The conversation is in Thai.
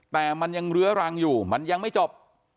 แต่มันยังเรื้อรังอยู่มันยังไม่จบ